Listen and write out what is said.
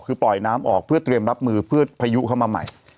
คือปล่อยน้ำออกเพื่อเตรียมรับมือเพื่อพายุเข้ามาใหม่